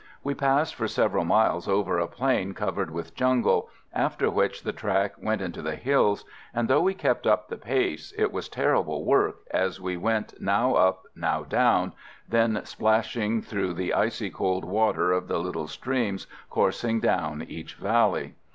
We passed for several miles over a plain covered with jungle, after which the track went into the hills, and, though we kept up the pace, it was terrible work as we went now up, now down, then splashing through the icy cold water of the little streams coursing down each valley.